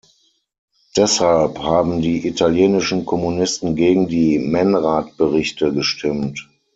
Deshalb haben die italienischen Kommunisten gegen die Menrad-Berichte gestimmt.